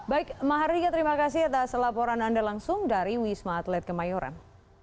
baik mahardika terima kasih atas laporan anda langsung dari wisma atlet kemayoran